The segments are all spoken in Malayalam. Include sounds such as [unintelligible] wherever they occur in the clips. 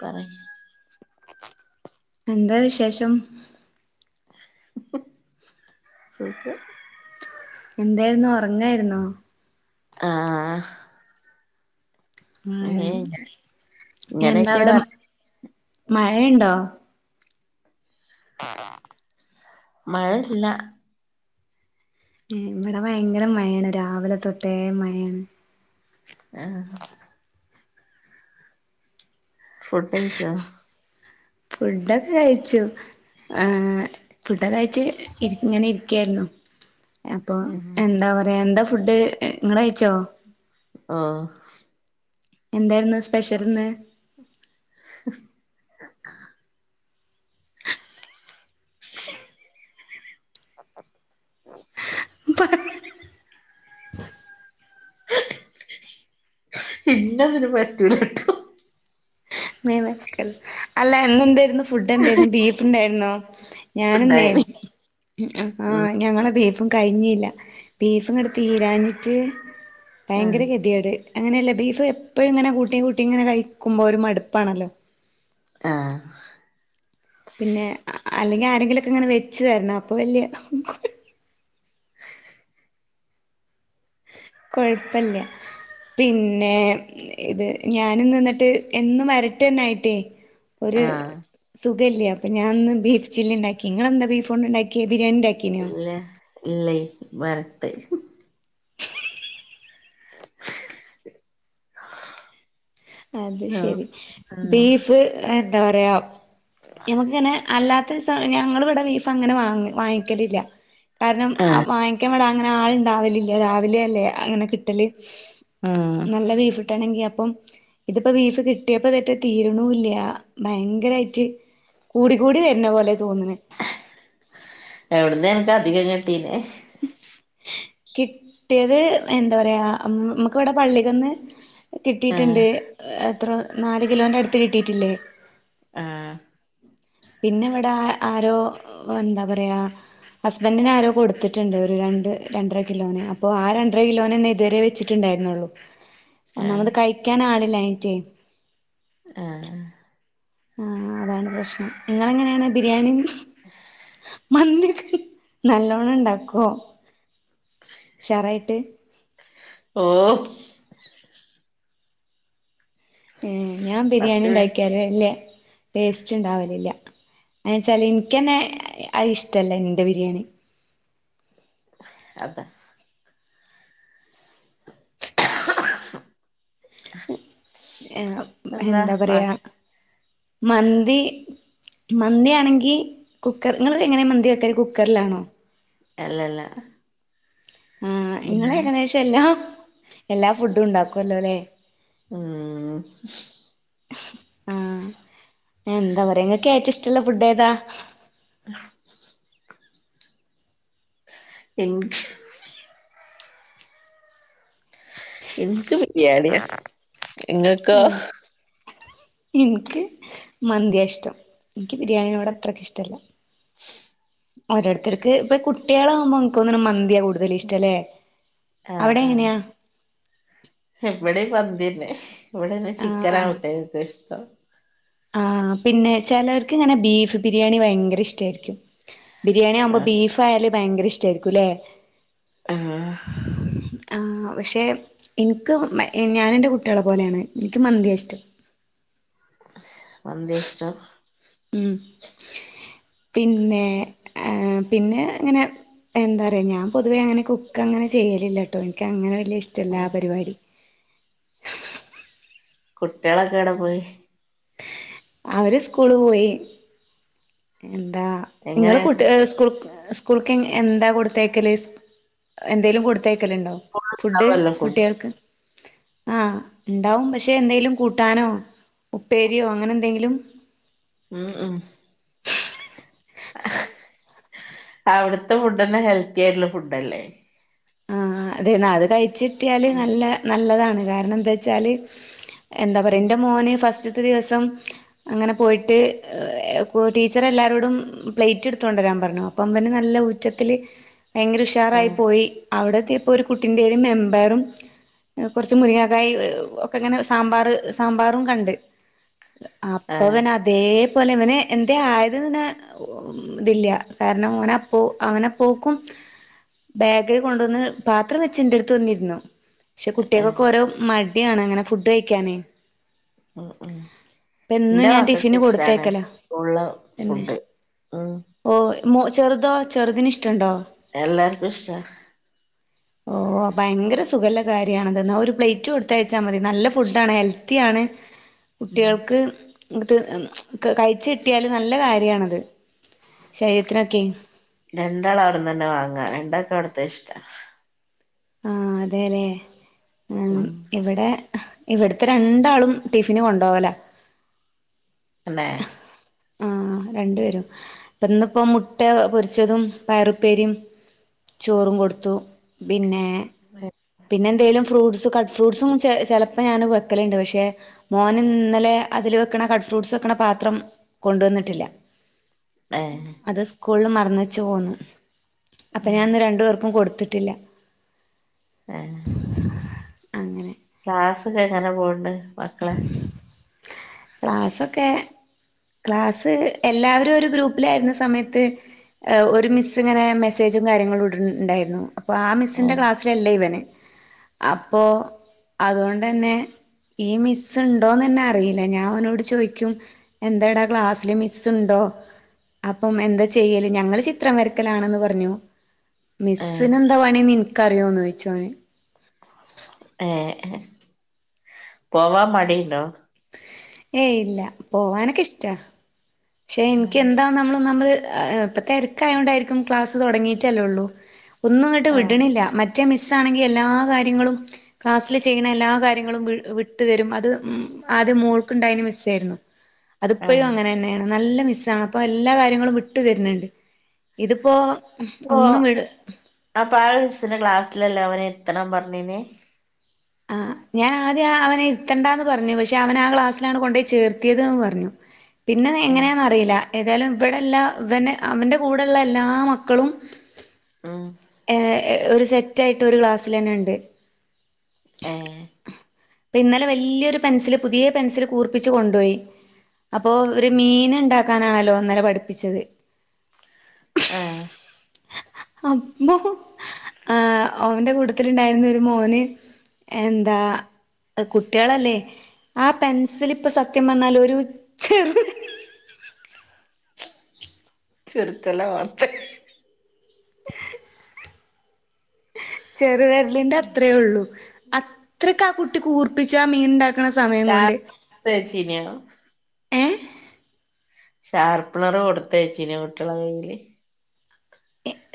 പറയ്‌ എന്താ വിശേഷം സുഖം എന്തായിര്ന്നു ഒർങ്ങായിരുന്നോ ആഹ് ഏ ഇനി എന്താ ഇങ്ങനെയൊക്കെ അവടെ പറ മഴ ഇണ്ടോ മഴ ഇല്ല ഏ ഇവടെ ഭയങ്കര മയേണ് രാവിലെ തൊട്ടേ മയെണ് ആഹ് ഫുഡയ്ച്ചോ ഫുഡൊക്ക കഴിച്ചു ഏ ഫുഡൊക്ക കയ്ച് ഇര് ഇങ്ങനെ ഇരിക്കായിരുന്നു അപ്പൊ ഉം എന്താ പറയാ എന്താ ഫുഡ് ഇങ്ങള് കയിച്ചോ ആഹ് എന്തേയിരുന്നു സ്പെഷ്യല് ഇന്ന് ഇന്ന് ഇന്നെതിന് പറ്റൂലട്ടൊ മേ വക്കല്ലെ അല്ല ഇന്ന് എന്തായിരുന്നു ഫുഡ് എന്തായിരുന്നു ബീഫ് ഉണ്ടായിരുന്നോ ഞാന്ന്നേ ഉണ്ടായിന് ഉം ആഹ് ഞങ്ങളെ ബീഫും കഴിഞീല്ല ബീഫ്ങ്ങട് തീരാഞ്ഞിട്ട് ആഹ് ഭയങ്കര കത്യേട് അങ്ങനെയല്ലേ ബീഫ് എപ്പഴും ഇങ്ങനെ കൂട്ടി കൂട്ടി ഇങ്ങനെ കഴിക്കുമ്പോ ഒരു മടുപ്പാണല്ലോ ആഹ് പിന്നെ ആഹ് അല്ലെങ്കിൽ ആരെങ്കിലൊക്കെങ്ങനെ വെച്ചു തരണം അപ്പോ വല്ല്യ കൊയ്‌ കൊയപ്പല്ല പിന്നെ ഇത് ഞാന് ഇന്ന് ന്നിട്ട് എന്നും വരട്ടന്നായിട്ടേ ഒരു ആഹ് സുഖല്ല്യ അപ്പൊ ഞാനിന്ന് ബീഫ് ചില്ലി ഇണ്ടാക്കി നിങ്ങെന്താ ബീഫോണ്ട് ഇണ്ടാക്കിയെ ബിരിയാണി ഇണ്ടാക്കി ഇല്ല ഇല്ലയ് വരട്ട് അത് ആഹ് ശരി ആഹ് ബീഫ് എന്താ പറയാ ഞമക്കിങ്ങനെ അല്ലാത്ത ദിസ ഞങ്ങൾ ഇവിടെ ബീഫ് അങ്ങനെ വാ വാങ്ങിക്കലില്ല കാരണം ആഹ് വാങ്ങിക്കാന് വടെ അങ്ങനെ ആള്ണ്ടാവലില്ല രാവിലെ അല്ലേ അങ്ങനെ കിട്ടല് ആഹ് നല്ല ബിഫ് കിട്ടണെങ്കി അപ്പം ഇതിപ്പോ ബീഫ് കിട്ടിയപ്പോ ഇതറ്റെ തീര്ണുല്ല ഭയങ്കരായിട്ട് കൂടി കൂടി വരുന്ന പോലെ തോന്ന്ണെ എവിടന്നെ അന്ക്ക് അധികം കിട്ടീനെ കിട്ടിയത് എന്താ പറയാ നമ്മുക്ക് ഇവിടെ പള്ളിക്കന്ന് കിട്ടിയിട്ടുണ്ട് ആഹ് എത്രോ നാല് കിലോന്റെ അടുത്ത് കിട്ടിയിട്ടില്ലേ ആഹ് പിന്നെ ഇവിടെ ആരോ എന്താ പറയാ ഹസ്ബന്റിന് ആരോ കൊടുത്തിട്ടുണ്ട് ഒരു രണ്ട് രണ്ടര കിലോന് അപ്പൊ ആ രണ്ടര കിലോനന്നെ ഇതുവരെ വെച്ചിട്ട് ണ്ടായിരുന്നുള്ളു ആഹ് ഒന്നാമത് കഴിക്കൻ ആളില്ലാഞിറ്റേ ആഹ് ആഹ് ആഹ് അതാണ് പ്രശ്നം നിങ്ങെളെങനെയാണ് ബിരിയാണിം മന്തിയൊക്കെ നല്ലോണം ഇണ്ടാക്കോ ഉഷാറായിട്ട് ഓഹ് ഏഹ് ഞാൻ ബിരിയാണി പത്ത് മിനിറ്റ് ഉണ്ടാക്കിയാല് വല്ല്യ ടേസ്റ്റ്ണ്ടാവലില്ല എന്നച്ചാല് ൻക്കന്നെ അയ്ഷ്ടല്ല ൻ്റെ ബിരിയാണി അതെ ഏഹ് എന്താ പറയാ മന്തി മന്തിയാണെങ്കി കുക്കർ ങ്ങള് എങ്ങനെ മന്തി വെക്കല് കുക്കർലാണോ അല്ലല്ല ആഹ് ഇങ്ങളേകദേശെല്ലാ എല്ലാ ഫുഡു ണ്ടാക്കോല്ലോല്ലേ ഉം ആഹ് എന്ത പറയ ഇങ്ങക്കേറ്റൊ ഇഷ്ടല്ലെ ഫുഡേതാ ഇൻക്ക് ഇൻക്ക് ബിരിയാണിയ ഇങ്ങക്കോ ഇൻക്ക് മന്തിയാഷ്ടം ഇൻക്ക് ബിരിയാണിനോടത്രക്കിഷ്ടല്ല ഓരോര്ത്തര്ക്ക് പ്പൊ കുട്ടിയാളാവുമ്പക്ക് തോന്നുന്നു മന്തിയാ കൂടുതലിഷ്ടല്ലേ അവിടെങ്ങനെയാ ഇവടെ മന്തിയന്നെ ഇവിടെന്നെ ആഹ് ചിക്കനാടകുട്ടിയേക്കിഷ്ടം ആഹ് പിന്നെ ചെലോര്ക്ക്ങ്ങനെ ബീഫ് ബിരിയാണി ഭയങ്കര ഇഷ്ടേര്ക്കും ബിരിയാണിയാവുമ്പോ ആഹ് ബീഫായാല് ഭയങ്കരഷ്ടായിരിക്കുല്ലെ ആഹ് ആഹ പക്ഷെ ഇൻക്ക് ഞാന് ൻ്റെ കുട്ടിയാളെ പോലെണ് ഇക്ക് മന്തിയഷ്ടം മന്ത്യഷ്ടം ഉം പിന്നെ ഏ ഹപിന്നെ ങ്ങനെ എന്തറയാ ഞാൻ പൊതുവേ അങ്ങനെ കുക്കങ്ങനെ ചെയ്യലില്ല ട്ടോ ൻക്കങ്ങനെ വല്യഷ്ടല്ല ആ ആഹ് പരിപാടി കുട്ടിയാളൊക്കെവടെ പോയി അവര് സ്കൂള് പോയി എന്താ എങ്ങനെ ഇങ്ങളെ കുട്ടി ഏ സ്കൂ സ്കൂൾക്ക് എന്താ കൊടുത്തയക്കല് എന്തേലും കൊടുത്തയക്കല്ണ്ടോ ഫുഡ് ഉണ്ടാവല്ലോ ഫുഡ് കുട്ടികൾക്ക് ആഹ് ണ്ടാവും പക്ഷെ എന്തെലും കൂട്ടാനോ ഉപ്പേരിയോ അങ്ങനെന്തെങ്കിലും ഉം ഉം അവിട്ത്തെ ഫുഡന്നെ ഹെൽത്തിയായിട്ട്ള്ള ഫുഡല്ലേ ആഹ് അതെ ന്നാ അത് കയിച്ചിട്ടിയാല് ഉം നല്ല നല്ലതാണ് കാര്ണം ന്താ ച്ചാല് എന്താ പറയ ഉം ന്റെ മോന് ഫസ്റ്റ്ത്തെ ദിവസം അങ്ങനെ പോയിട്ട് ടീച്ചറെല്ലാരോടും പ്ലേറ്റ് ട്ത്തൊണ്ടരാൻ പറഞ്ഞു അപ്പം അവന് നല്ല ഊറ്റത്തില് ഭയങ്കരുഷാറായി ഉം പോയി അവിടത്യപ്പൊരു കുട്ടിന്റീല് കയ്യില്മമ്പയറും കൊർച്ച് മുരിങ്ങക്കായ് ഒക്കെങ്ങനെ സാമ്പാറ് സാമ്പാറും കണ്ട് അപ്പൊ ആഹ് തന്നെ അതേപോലെ ഇവന് എന്തേ ആയത് പിന്നെ ഇതില്ല കാര്ണം ഓനപ്പൊ അവന പോക്കും ബാ ക്കില് കൊണ്ട് വന്ന് പാത്രം വെച്ച് ന്റെട്ത് വന്നിര്ന്നു പക്ഷെ ആഹ് കുട്ടിയൾക്കൊക്കോരോ മ ട്യണ് ങ്ങനെ ഫുഡ് കഴിക്കാന് ഉം ഉം എന്നും ന്റെ ഞാൻ ടിഫിന് മക്കക്കിഷ്ടാണ് കൊടുത്തേക്കല സ്കൂൾലെ ഫുഡ് ഉം ഓഹ മു ചെറുതോ ചെറുതിനിഷ്ടണ്ടോ എല്ലാര്ക്കുഷ്ട ഓഹ ഭയങ്കര സുഖ ള്ള കാര്യണത്ന്നാ ഒരു പ്ലേറ്റ് കൊട്ത്തയ്ച്ചാ മതി നല്ല ഫുഡാണ് ഹെൽ ത്തിയാണ് ഉം കുട്ടിയൾക്ക് അത് കഴിച്ച് കിട്ടിയാല് നല്ല കാര്യണത് ശരീരത്തിനൊക്കെയ് രണ്ടാളവ്ട്ന്നന്നെ വാങ്ങാ രണ്ടക്കവ്ട്ത്തെഷ്ടാ ആഹ് അതേലേ ഉം ഇവിടെ ഇവിടത്തെ രണ്ടാളും ടിഫിന് കൊണ്ടാവല തന്നെ ആഹ രണ്ട പേരും ഇന്നിപ്പോ മുട്ട പൊരിച്ചതും പയറുപ്പേരിയും ചോറും കൊടുത്തു പിന്നെ അ പിന്നെ എന്തെലും ഫ്രൂട്സ് കട്ട് ഫ്രൂട്ട്സും ചെലപ്പോ ഞാൻ വെക്കലുണ്ട് പക്ഷെ മോന് ഇന്നലെ അതില് വെക്കണ കട്ട് ഫ്രൂട്ട്സ് വെക്കണ പാത്രം കൊണ്ടുവന്നിട്ടില്ല. ഏഹ് അത് സ്കൂളില് മറന്ന് വെച്ച് പോന്നു. അപ്പ ഞാൻന്ന് രണ്ടു പേർക്കും കൊടുത്തിട്ടില്ല. അങ്ങനെ ക്ലാസ് ഒക്കെ എങ്ങനെ പോണ് ണ്ട് മക്കളെ? ക്ലാസ് ഒക്കെ ക്ലാസ്സ് എല്ലാവരും ഒരു ഗ്രൂപ്പിലായിരുന്ന സമയത്ത് ഏഹ് ഒരു മിസ് ഇങ്ങനെ മെസ്സേജും കാര്യങ്ങളും ഇടുണ്ടായിരുന്നു. അപ്പോ ആ മിസിന്റെ ഏഹ് ക്ലാ സ്സല്ല ഇവന് അപ്പോ അതോണ്ടന്നെ ഈ മിസ്സ് ഇണ്ടോന്നന്നെ അറിയ് ല്ല ഞാൻ ഓനോട് ചോയ്ക്കും എന്തേടാ ക്ലാസ്സില് മിസ്സ്ണ്ടോ? അപ്പം എന്താ ചെയ്യല്? ഞങ്ങള് ചിത്രം വരക്കലാണ്ന്ന് പറഞ്ഞു. മിസ്സിനെന്താ പണീന്ന് ഇനിക്കറിയോന്ന് ചോദിച്ച് ഓന് ഏഹ് പോവാൻ മടിണ്ടോ? ഏയ് ഇല്ല. പോവാനൊക്കെ ഇഷ്ടാ. പക്ഷേ എനിക്ക് ആഹ് എന്താ നമ്മള് നമ്മൾ ആഹ് ഇപ്പ തെരക്കായോണ്ടായിരിക്കും. ക്ലാസ്സ് തൊടങ്ങിട്ടല്ലേ ഉള്ളൂ ഒന്നുംങ്ങട്ട് ആഹ് വിടണ്ല്ല്യ. മറ്റേ മിസ്സാണെങ്കിൽ എല്ലാ കാര്യങ്ങളും ക്ലാസ്സില് ചെയ്യുന്ന എല്ലാ കാര്യങ്ങളും വി വിട്ടുതരും. അത് ഉം ആദ്യം മോൾക്ക്ണ്ടായ്ന മിസ്സേയിരുന്നു. [inaudible] അതിപ്പഴും അങ്ങനന്നേണ്. നല്ല മിസ്സാണ് അപ്പോ എല്ലാ കാര്യങ്ങളും വിട്ടു തരുന്നുണ്ട്. ഇതിപ്പോ ഒന്നും വിട് അപ്പ ആഹ് മിസിന്റെ ക്ലാസ്സിലല്ലേ അവനേ ഇരുത്തണം പറഞ്ഞേനേ? ആഹ് ഞാനാ ആദ്യ ആഹ് അവനെ ഇരുത്തണ്ടാന്ന് പറഞ്ഞു. പക്ഷേ അവനെ ആഹ് ക്ലാസ്സിലാണ് കൊണ്ടയി ചേർത്തിയത് ന്ന് പറഞ്ഞു. [inaudible] പിന്നെ ഏഹ് എങ്ങനെയാന്നറിയില്ല. ഏതായാലും ഇവടെ എല്ലാ ഇവന് അവൻ്റെ കൂടെള്ള എല്ലാ മക്കളും ആഹ് ഏഹ് ഒരു സെറ്റ് ആയിട്ട് ഒരു ക്ലാസ്സിലെന്നെ ഇണ്ട് ഏഹ് ഇപ്പ ഇന്നലെ വെല്ലിയൊരു പെൻസില്, പുതിയ പെൻസില് കൂർപ്പിച്ച്കൊണ്ടോയി അപ്പോ ഒര് മീൻ ഇണ്ടാക്കാനാണല്ലോ ഇന്നല പഠിപ്പിച്ചത് ആഹ് അപ്പോ ആഹ് ഓന്റെ കൂട്ടത്തില്ണ്ടായിരുന്ന ഒരു മോന് എന്താ കുട്ടികളല്ലേ? ആഹ് പെൻസിലിപ്പ സത്യം പർഞ്ഞാല് ഒരു ചെറ്യ ചിർക്കല്ലേ ഓർത്ത് ചെറുവെര്ലിന്റെ അത്രയേ ഉള്ളു. അത്രക്കാ കുട്ടി കൂർപ്പിച്ചാ മീൻണ്ടാ ണ സമയം കൊണ്ട് തേച്ചീനോ ഏഹ് ഷാർപ്പ്നർ കൊടുത്തയ്ച്ചീനോ കുട്ട്യോള കയ്യില്?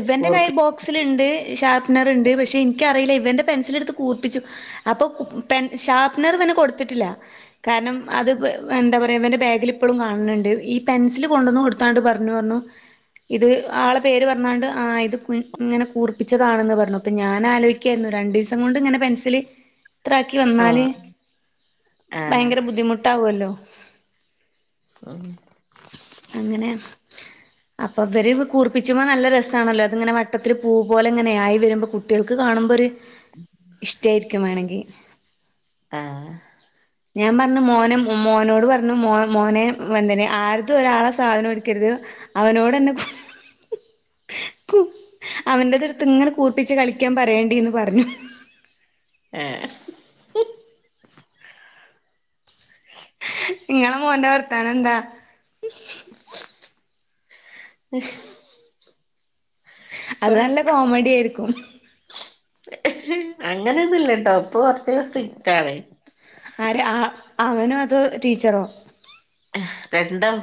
ഇവന്റെ കൈ ബോ കൂർപ്പിച്ച് ക്സിലുണ്ട് ഷാർപ്നർണ്ട്. പക്ഷേ ഇൻക്കറിയില്ല. ഇവന്റെ പെൻസിലെടുത്ത് കൂർപ്പിച്ചു അപ്പോ കു പെൻ ഷാർപ്പ്നറ് ഇവന് കൊടുത്തിട്ടില്ല കാരണം അത്പ്പോ എന്താ പറയാ ഇവന്റെ ബാഗില് ഇപ്പളും കാണുന്നുണ്ട്. ഈ പെൻസില് കൊണ്ടോന്ന് കൊടു ത്താണ്ട് പറഞ്ഞു പറഞ്ഞു. ഇത് ആളെ പേര് പറഞ്ഞാണ്ട് ആഹ് ഇത് പ് ഇങ്ങനെ കൂർപ്പിച്ചതാണെന്ന് പറഞ്ഞു. അപ്പോ ഞാനാലോയ്ക്കയിരുന്നു. രണ്ടീസം കൊണ്ട് ഇങ്ങനെ പെൻസില് [inaudible] ഇതാക്കി വന്നാല് ആഹ് ആഹ് ഭയങ്കര ബുദ്ധിമുട്ടാവുല്ലോ ഉം അങ്ങനെ അപ്പൊ ഇവര് കൂർ പിച്ചുമ്പോ നല്ല രസാണല്ലോ അത്ങ്ങനെ വട്ടത്തില് പൂ പോലെങ്ങനെ ആയി വെരുമ്പോ കുട്ട്യെൾക്ക് കാണുമ്പൊര് ഇഷ്ട്ടേയിരിക്കും വേണെങ്കി. ആഹ് ഞാം പർഞ്ഞ് മോനും മ് മോനോട് പർ ന് മോ മോനെ വന്തനെ ആര്തും ഒരാളെ സാധനൂട്ക്കര്ത് അവനോടെന്നെ അവന്റെത്ത്ട്ത്ങ്ങെ കൂർപ്പിച്ച് കളിക്ക്യാൻ പറയേണ്ടിന്ന് പർഞ്ഞു. ഏഹ് ആ ഇങ്ങളെ മോന്റെ വർത്താനെന്താ? അ അത് നല്ല കോമഡ്യായിരിക്കും. അങ്ങനൊന്നുല്ലട്ടോ ഇപ്പോ കൊർച്ചൊരു സ്ട്രിക്റ്റാണ്. ആര് ആ അവനോ അതോ ടീച്ചറോ? രണ്ടും.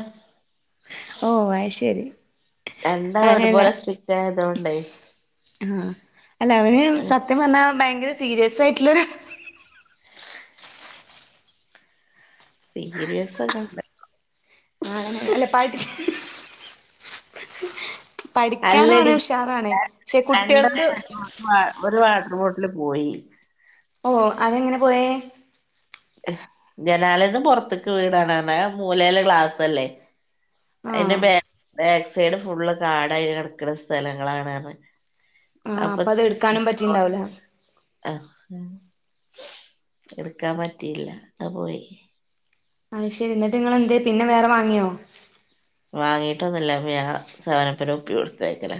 ഓഹ് അയ് ശെരി. രണ്ടാളു ഒരുപോലെ സ്ട്രിക്റ്റായതൊണ്ടേ ആഹ് അല്ല അവന് സത്യം പർഞ്ഞാ ഭയങ്കര സീര്യസായിട്ട് [unintelligible] സീര്യസൊക്കെണ്ട്. ആണനെ അല്ലെ പഠി പഠിക്ക്യാനോന് അല്ലടി ഉഷാറാണ് പക്ഷെ കുട്ട്യെൾക്ക് ഏഹ് ഒരു വാട്ടർ ബോട്ട്ല് പോയി. ഓഹ് അതെങ്ങനെ പോയേ? ജനാലേന്ന് പൊർത്ത്ക്ക് വീണാണർഞ്ഞ് ആ മൂലേലെ ക്ലാസല്ലേ. അയ്ന്റെ ആഹ് ബേ ബേക്ക് സൈഡ് ഫുള്ള് കാടായി കെടക്ക്ണ സ്ഥലങ്ങളാണ ർഞ്ഞ്. ആഹ് അപ്പത് ട്ക്കാനും പറ്റിണ്ടാവൂല. ആഹ് എട്ക്കാൻ പറ്റിയില്ല അത് പോയി. അയ് ശെരി ന്നട്ട് നിങ്ങളെന്തേ പിന്നെ വേറെ വാങ്ങ്യോ? വാങ്ങീട്ടൊന്നുല്ല ഇപ്പ ഞാ സെവനപ്പ്ൻ്റെ കുപ്പി കൊട്ത്തയ്ക്കല.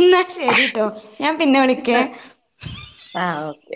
എന്നാ ശെരിട്ടോ ഞാൻ പിന്നെ വിളിക്കേ. ആഹ് ഓ